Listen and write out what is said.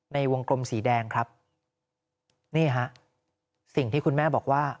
ในวงกลมสีแดงครับนี่ฮะสิ่งที่คุณแม่บอกว่า